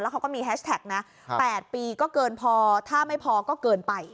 เขาก็มีแฮชแท็กนะ๘ปีก็เกินพอถ้าไม่พอก็เกินไป